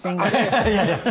いやいや。